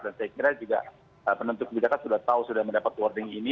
dan saya kira juga penentu kebijakan sudah tahu sudah mendapat warning ini